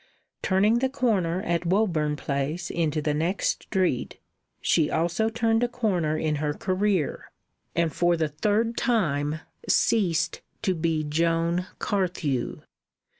Turning the corner of Woburn Place into the next street, she also turned a corner in her career, and for the third time ceased to be Joan Carthew.